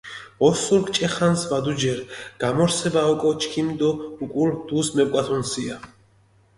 ოსურქ ჭე ხანს ვადუჯერ, გამორსება ოკო ჩქიმი დო უკული დუს მეპკვათუნსია.